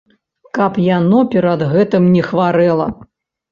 Каб яно перад гэтым не хварэла.